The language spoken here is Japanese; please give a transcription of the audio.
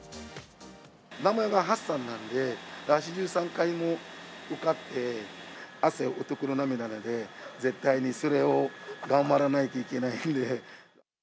名前がハッサンなんで、８３回も受かって、汗は男の涙なので、絶対にそれを頑張らないといけないんで。